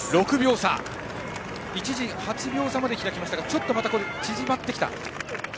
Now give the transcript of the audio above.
一時、８秒差まで開きましたがちょっとまた縮まってきた。